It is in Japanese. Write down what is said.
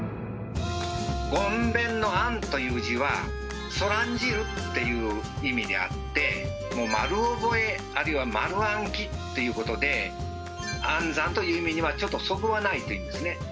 ごんべんの「諳」という字は「そらんじる」っていう意味であってもう丸覚えあるいは丸暗記ということで暗算という意味にはちょっとそぐわないというんですね。